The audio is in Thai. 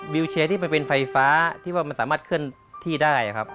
วิวเชียร์ที่มันเป็นไฟฟ้าที่ว่ามันสามารถเคลื่อนที่ได้ครับ